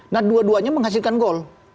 nah dua duanya menghasilkan gol